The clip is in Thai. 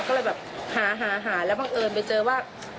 ก็เลยแบบหาหาแล้วบังเอิญไปเจอว่า